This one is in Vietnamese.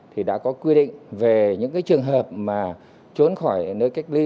thì đã có quy định về những trường hợp mà trốn khỏi nơi cách ly